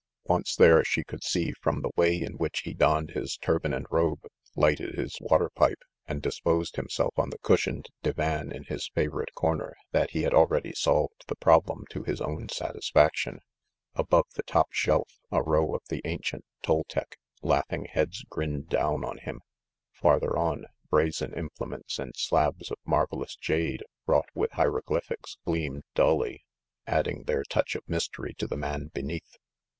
Once there, she could see from the way in which he donned his turban and robe, lighted his water pipe, and disposed himself on the cushioned divan in his fa vorite corner, that he had already solved the problem to his own satisfaction. Above the top shelf a row of the ancient Toltec, laughing heads grinned down on him; farther on, brazen implements and slabs of mar velous jade wrought with hieroglyphics gleamed dully, adding their touch of mystery to the man beneath.